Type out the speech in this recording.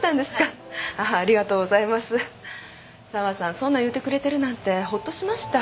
そんな言うてくれてるなんてほっとしました。